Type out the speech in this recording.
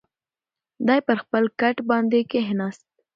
دی پر خپل کټ باندې کښېناست.